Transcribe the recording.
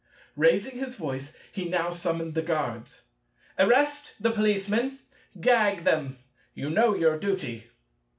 Raising his voice, he now summoned the guards. "Arrest the policemen; gag them. You know your duty."